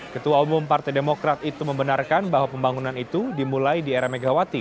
ketua umum partai demokrat itu membenarkan bahwa pembangunan itu dimulai di era megawati